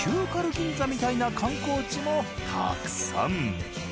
銀座みたいな観光地もたくさん。